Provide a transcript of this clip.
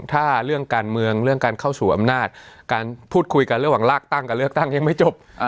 ถ้าเรื่องการเมืองเรื่องการเข้าสู่อำนาจการพูดคุยกันระหว่างลากตั้งกับเลือกตั้งยังไม่จบ